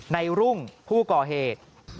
รุ่งผู้ก่อเหตุ